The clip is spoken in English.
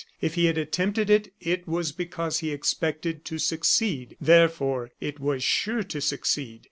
If he had attempted it, it was because he expected to succeed. Therefore, it was sure to succeed.